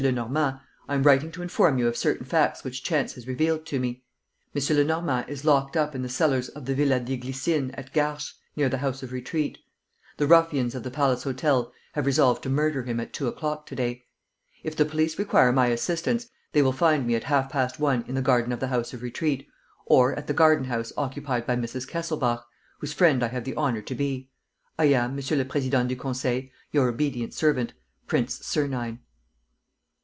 Lenormand, I am writing to inform you of certain facts which chance has revealed to me. "M. Lenormand is locked up in the cellars of the Villa des Glycines at Garches, near the House of Retreat. "The ruffians of the Palace Hotel have resolved to murder him at two o'clock to day. "If the police require my assistance, they will find me at half past one in the garden of the House of Retreat, or at the garden house occupied by Mrs. Kesselbach, whose friend I have the honor to be. "I am, Monsieur le Président du Conseil, "Your obedient servant, "PRINCE SERNINE."